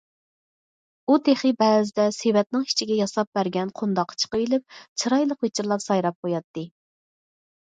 ئۇ تېخى بەزىدە سېۋەتنىڭ ئىچىگە ياساپ بەرگەن قونداققا چىقىۋېلىپ چىرايلىق ۋىچىرلاپ سايراپ قوياتتى.